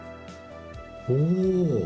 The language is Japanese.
おお。